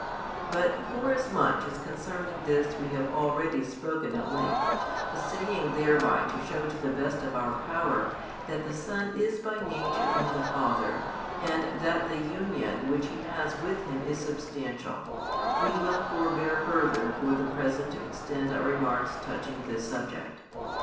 But forasmuch as concerning this we have already spoken at length, assaying thereby to show to the best of our power, that the Son is by nature in the Father and that the union which He has with Him is substantial, we will forbear further for the present to extend our remarks touching this subject.